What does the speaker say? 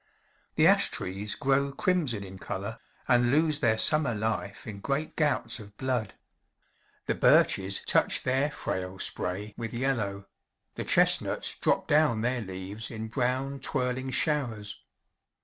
The ash trees grow crimson in color, and lose their summer life in great gouts of blood. The birches touch their frail spray with yellow; the chestnuts drop down their leaves in brown, twirling showers.